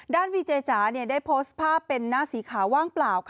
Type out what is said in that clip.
วีเจจ๋าได้โพสต์ภาพเป็นหน้าสีขาวว่างเปล่า